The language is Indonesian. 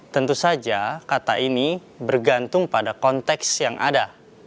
tentu saja kata ini bergantung pada konteks yang ada